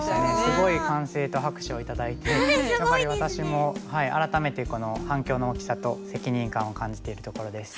すごい歓声と拍手を頂いてやはり私も改めてこの反響の大きさと責任感を感じているところです。